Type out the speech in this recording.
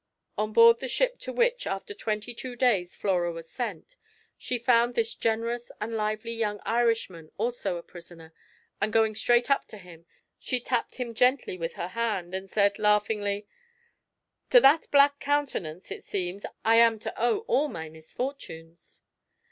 On board the ship to which, after twenty two days Flora was sent, she found this generous and lively young Irishman also a prisoner, and going straight up to him, she tapped him gently with her hand, and said laughingly, "To that black countenance, it seems, I am to owe all my misfortunes."